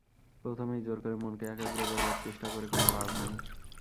প্রথমেই জোর করে মনকে একাগ্র করবার চেষ্টা করে কোন লাভ নেই।